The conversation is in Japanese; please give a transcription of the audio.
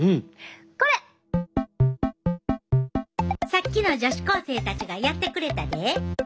さっきの女子高生たちがやってくれたで。